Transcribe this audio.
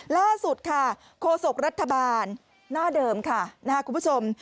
ล่าสุดค่ะโฆษกรัฐบาลหน้าเดิมค่ะนะครับคุณผู้ชม